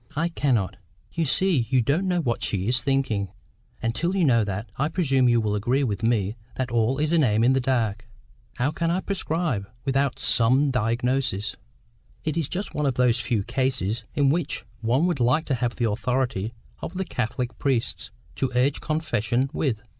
"I cannot. You see you don't know what she is THINKING; and till you know that, I presume you will agree with me that all is an aim in the dark. How can I prescribe, without SOME diagnosis? It is just one of those few cases in which one would like to have the authority of the Catholic priests to urge confession with.